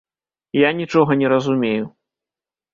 Я нічога не разумею.